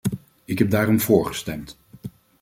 Ik heb daarom vóór gestemd.